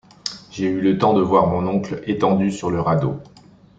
J’ai eu le temps de voir mon oncle étendu sur le radeau.